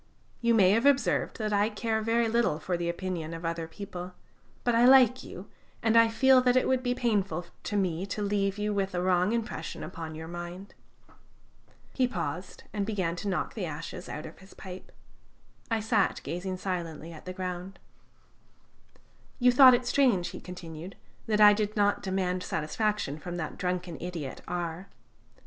You may have observed that I care very little for the opinion of other people, but I like you, and I feel that it would be painful to me to leave you with a wrong impression upon your mind." He paused, and began to knock the ashes out of his pipe. I sat gazing silently at the ground. "You thought it strange," he continued, "that I did not demand satisfaction from that drunken idiot R